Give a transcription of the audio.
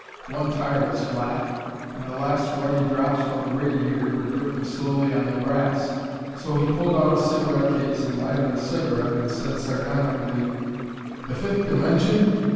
One tire was flat, and the last ruddy drops from the radiator were dripping slowly on the grass. So he pulled out a cigarette case and lighted a cigarette and said sardonically: "The fifth dimension?